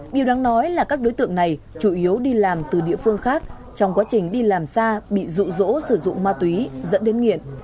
điều đáng nói là các đối tượng này chủ yếu đi làm từ địa phương khác trong quá trình đi làm xa bị rụ rỗ sử dụng ma túy dẫn đến nghiện